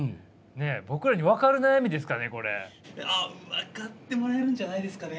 分かってもらえるんじゃないですかね。